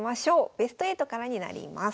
ベスト８からになります。